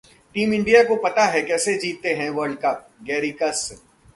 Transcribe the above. team India को पता है कैसे जीतते हैं वर्ल्ड कपः गैरी कर्स्टन